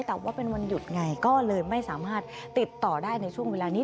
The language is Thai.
แต่ว่าเป็นวันหยุดไงก็เลยไม่สามารถติดต่อได้ในช่วงเวลานี้